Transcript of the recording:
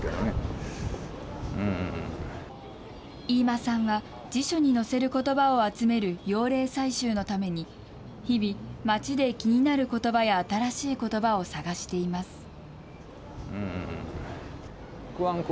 飯間さんは、辞書に載せることばを集める用例採集のために、日々、街で気になることばや新しいことばを探しています。